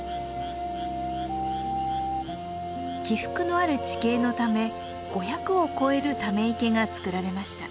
起伏のある地形のため５００を超えるため池が作られました。